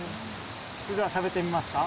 では、食べてみますか？